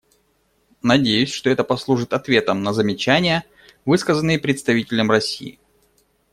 Надеюсь, что это послужит ответом на замечания, высказанные представителем России.